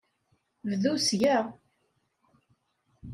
Bdu seg-a.